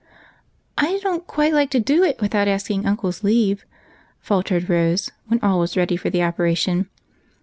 " I don't quite like to do it without asking uncle's leave," faltered Rose, when all was ready for the oper ation.